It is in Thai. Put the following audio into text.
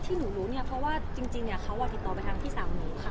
ที่หนูรู้เนี่ยเพราะว่าจริงเขาติดต่อไปทางพี่สาวหนูค่ะ